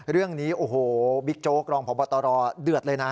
เรื่องนี้โอ้โหบิ๊กโจ๊กรองพบตรเดือดเลยนะ